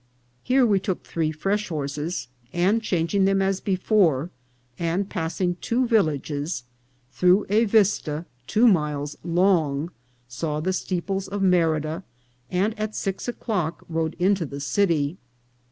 Here we took three fresh horses ; and changing them as before, and passing two villages, through a vista two miles long saw the steeples of Merida, and at six o'clock rode into the city.